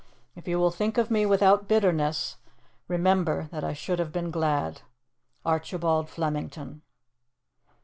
If you will think of me without bitterness, remember that I should have been glad. "ARCHIBALD FLEMINGTON."